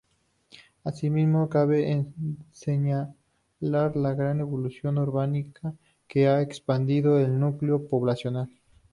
Así mismo cabe señalar la gran evolución urbanística que ha expandido el núcleo poblacional.